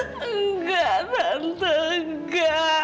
tidak tante tidak